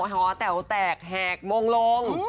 หอแต๋วแตกแหกมงลง